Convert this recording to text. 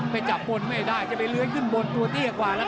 ไปจำบนไม่ได้จะไปเลืะขึ้นบนตัวเตี้ยกว่านะครับ